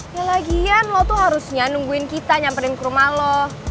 ya lagian lo tuh harusnya nungguin kita nyamperin ke rumah lo